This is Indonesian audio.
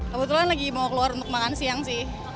kebetulan lagi mau keluar untuk makan siang sih